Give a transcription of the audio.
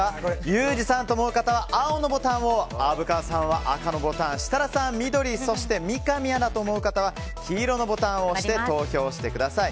ユージさんと思う方は青のボタンを虻川さんは赤のボタン設楽さんは緑そして三上アナと思う方は黄色のボタンを押して投票してください。